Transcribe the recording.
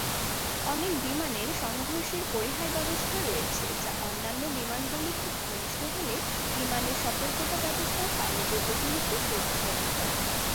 অনেক বিমানের সংঘর্ষের পরিহার ব্যবস্থা রয়েছে, যা অন্যান্য বিমানগুলি খুব ঘনিষ্ঠ হলে বিমানের সতর্কতা ব্যবস্থা পাইলটদের অতিরিক্ত সুরক্ষা প্রদান করে।